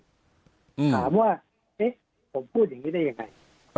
ถามว่าเอ๊ะผมพูดอย่างนี้ได้ยังไง